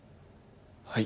はい。